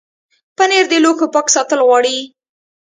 پنېر د لوښو پاک ساتل غواړي.